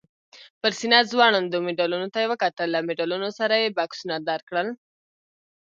پر سینه ځوړندو مډالونو ته یې وکتل، له مډالونو سره یې بکسونه درکړل؟